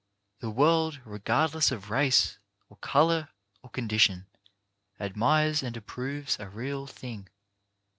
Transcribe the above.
The world, regardless of race, or colour, or con dition, admires and approves a real thing.